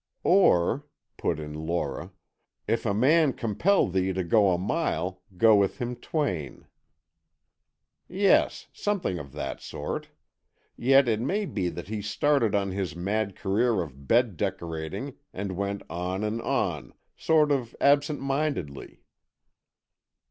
"Or," put in Lora, "if a man compel thee to go a mile, go with him twain." "Yes, something of that sort. Yet it may be that he started on his mad career of bed decorating and went on and on, sort of absent mindedly."